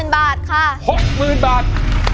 ๖๐๐๐๐บาทค่ะบาท